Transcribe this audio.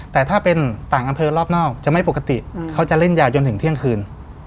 แต่ถ้าเป็นต่างอำเภอรอบนอกจะไม่ปกติเขาจะเล่นยาวจนถึงเที่ยงคืน